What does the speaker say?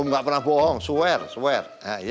om nggak pernah bohong swear swear